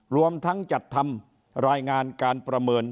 รวมทั้งจัดทำรายงานการประเมิน